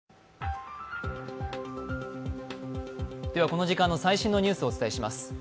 この時間の最新のニュースをお伝えします。